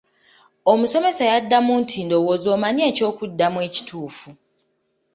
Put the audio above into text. Omusomesa yaddamu nti ndowooza omanyi ekyokuddamu ekituufu.